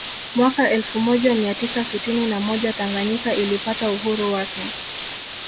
Mwaka elfu moja mia tisa sitini na moja Tanganyika ilipata uhuru wake